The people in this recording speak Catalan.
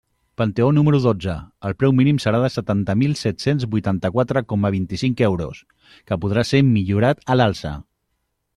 Panteó número dotze: el preu mínim serà de setanta mil set-cents vuitanta-quatre coma vint-i-cinc euros, que podrà ser millorat a l'alça.